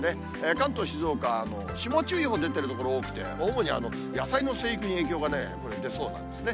関東、静岡も霜注意報出てる所が多くて、主に野菜の生育に影響がこれ、出そうなんですね。